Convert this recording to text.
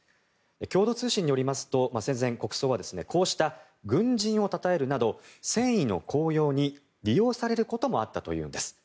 共同通信によりますと戦前、国葬はこうした軍人をたたえるなど戦意の高揚に利用されることもあったというんです。